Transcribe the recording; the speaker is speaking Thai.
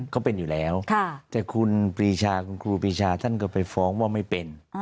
เขาเป็นอยู่แล้วแต่คุณปีชาคุณครูปีชาท่านก็ไปฟ้องว่าไม่เป็น